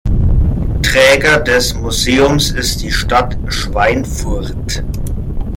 Träger des Museums ist die Stadt Schweinfurt.